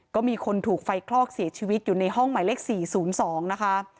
ก็มีคนถูกไฟคลอกเสียชีวิตอยู่ในห้องหมายเลข๔๐๒นะคะ